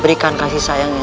berikan kasih sayangnya